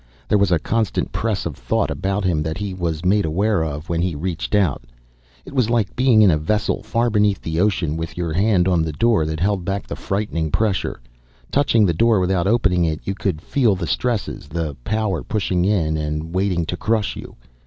There was a constant press of thought about him that he was made aware of when he reached out. It was like being in a vessel far beneath the ocean, with your hand on the door that held back the frightening pressure. Touching the door, without opening it, you could feel the stresses, the power pushing in and waiting to crush you.